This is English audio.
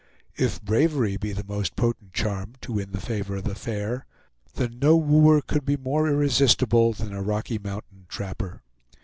If bravery be the most potent charm to win the favor of the fair, then no wooer could be more irresistible than a Rocky Mountain trapper.